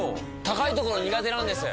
高いところ苦手なんです。